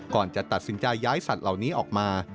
ก่อนจะตัดสินใจย้ายสัตว์เหล่านี้ออกมา